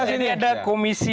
ini ada komisi